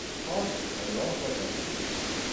آسم همراه با تشنج